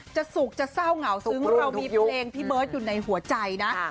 สุขจะเศร้าเหงาซึ้งเรามีเพลงพี่เบิร์ตอยู่ในหัวใจนะ